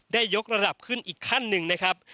ยกระดับขึ้นอีกขั้นหนึ่งนะครับ